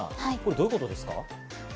どういうことですか？